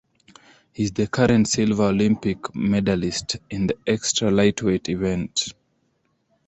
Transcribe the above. He is the current silver Olympic medalist in the Extra Lightweight event.